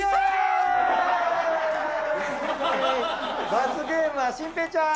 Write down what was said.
罰ゲームは心平ちゃん。